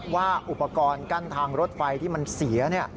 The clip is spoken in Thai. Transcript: ว่าอุปกรณ์กั้นทางรถไฟที่มันเสีย